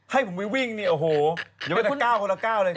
ให้ผมไปวิ่งนี่อย่าเป็นแต่ก้าวเลย